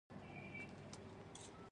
هسپانویان به په سمندرګي کې خپلې پښې ټینګوي.